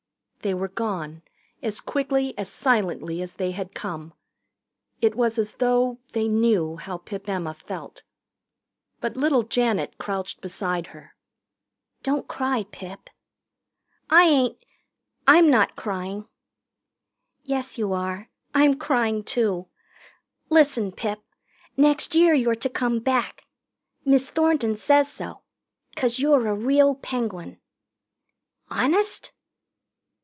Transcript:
They were gone, as quickly, as silently as they had come. It was as though they knew how Pip Emma felt. But little Janet crouched beside her. "Don't cry, Pip." "I ain't I'm not crying." "Yes, you are. I'm crying, too. Listen, Pip. Next year you're to come back. Miss Thornton says so. 'Cause you're a real Penguin." "Honest?"